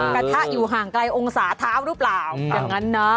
กระทะอยู่ห่างไกลองศาเท้าหรือเปล่าอย่างนั้นนะ